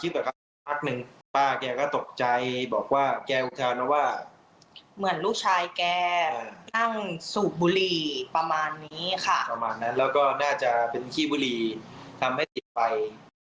ประมาณนั้นแล้วก็น่าจะเป็นขี้บุรีทำให้ติดไป